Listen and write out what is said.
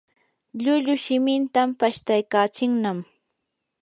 lllullu shimintan pashtaykachinnam.